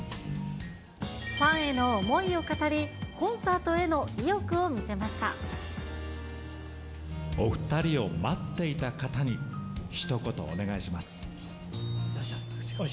ファンへの思いを語り、お２人を待っていた方に、お願いします。